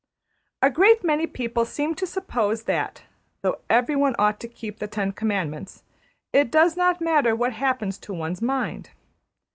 A great many people seem to suppose that, though everyone ought to keep the Ten Commandments, it does not matter what happens to one's mind.